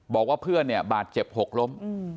บอกว่าเพื่อนเนี่ยบาดเจ็บหกล้ม